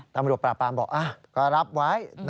ตำรวจปราบปรามบอกก็รับไว้